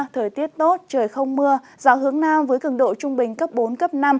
thời tiết tốt trời không mưa dạo hướng nam với cường độ trung bình cấp bốn cấp năm